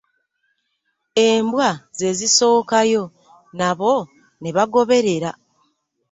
Embwa ze zisookayo nabo ne bagoberera.